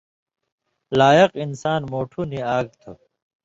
لائق انسان مُوٹُھو نی آگ تھو۔